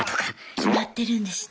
決まってるんですね。